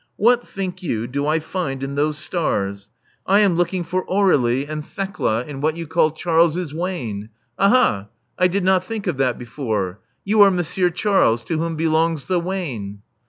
What, think you, do I find in those stars? I am looking for Aur^lie and Love Among the Artists 439 Thekla in what you call Charles's wain. Aha! I did not think of that before. You are Monsieur Charles, to whom belongs the wain."